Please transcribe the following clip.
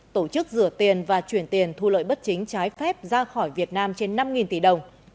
tổ chức rửa tiền và chuyển tiền thu lợi bất chính trái phép ra khỏi việt nam trên năm tỷ đồng